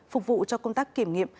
phục vụ cho công tác kiểm nghiệm